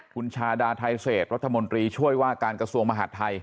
คุณชาดาไทเศษรัฐมนตรีช่วยว่าการกระทรวงมหาดไทย